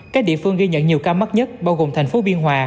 các địa phương ghi nhận nhiều ca mắc nhất bao gồm thành phố biên hòa